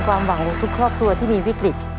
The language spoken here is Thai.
ความหวังของทุกครอบครัวที่มีวิกฤต